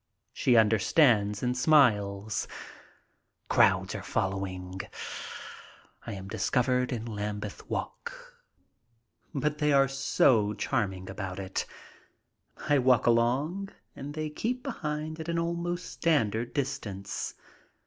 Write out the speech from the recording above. She understands and smiles. Crowds are following. I am dis covered in Lambeth Walk. But they are so charming about it. I walk along and they keep behind at an almost standard distance.